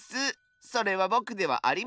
それはぼくではありません！